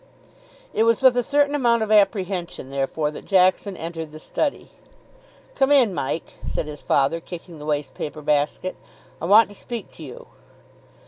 It was with a certain amount of apprehension, therefore, that Jackson entered the study. "Come in, Mike," said his father, kicking the waste paper basket; "I want to speak to you."